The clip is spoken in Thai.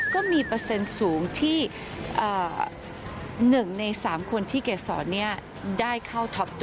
ก็มีเปอร์เซ็นต์สูงที่๑ใน๓คนที่เกษรได้เข้าท็อป